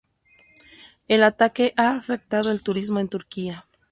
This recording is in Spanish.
El ataque ha afectado al turismo en Turquía.